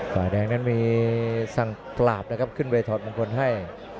ฝ่ายแดงนั้นมีสั่งปราบนะครับขึ้นไปถอดมงคลให้